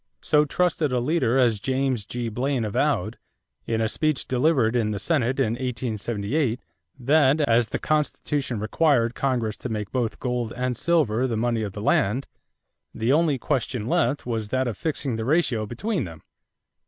So trusted a leader as James G. Blaine avowed, in a speech delivered in the Senate in 1878, that, as the Constitution required Congress to make both gold and silver the money of the land, the only question left was that of fixing the ratio between them.